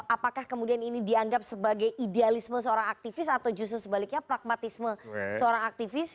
apakah kemudian ini dianggap sebagai idealisme seorang aktivis atau justru sebaliknya pragmatisme seorang aktivis